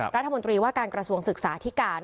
รัฐมนตรีว่าการกระทรวงศึกษาที่การ